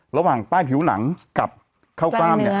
ระหว่างใต้ผิวหนังกับเข้ากล้าม